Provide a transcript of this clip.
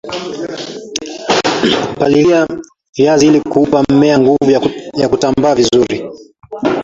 Palilia viazi ili kuupa mmea nguvu ya kutambaa vizuri